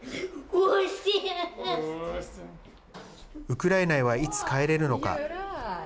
ウクライナへはいつ帰れるのか。